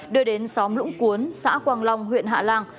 đưa đến xóm lũng cuốn xã quang long huyện hạ lan